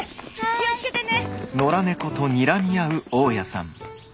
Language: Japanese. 気を付けてね。